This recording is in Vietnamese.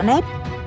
cảnh quan của biển